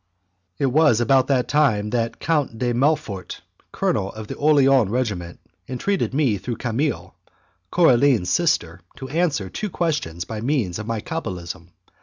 It was about that time that the Count de Melfort, colonel of the Orleans regiment, entreated me through Camille, Coraline's sister, to answer two questions by means of my cabalism.